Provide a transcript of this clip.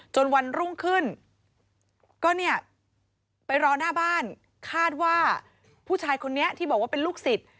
วันรุ่งขึ้นก็เนี่ยไปรอหน้าบ้านคาดว่าผู้ชายคนนี้ที่บอกว่าเป็นลูกศิษย์